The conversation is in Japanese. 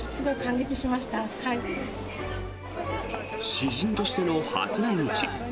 私人としての初来日。